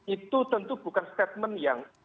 itu tentu bukan statement yang